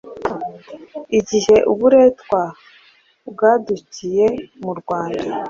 igihe uburetwa bwadukiye mu Rwanda.